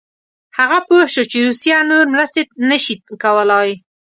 هغه پوه شو چې روسیه نور مرستې نه شي کولای.